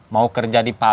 mau kerja di pabriknya